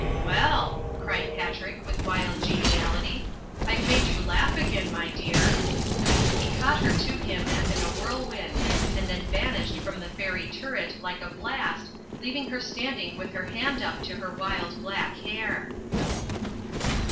, 'WeU!" cried Patrick, with a wild geniality, "I've made you laugh again, my dear." He caught her to him as in a whirlwind, and then vanished from the fairy turret like a blast, leaving her standing with her hand up to her wild black hair.